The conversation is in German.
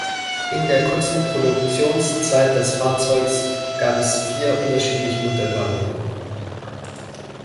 In der kurzen Produktionszeit des Fahrzeugs gab es vier unterschiedliche Modellvarianten.